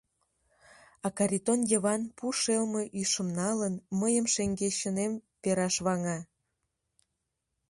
А Каритон Йыван, пу шелме ӱшым налын, мыйым шеҥгечынем пераш ваҥа.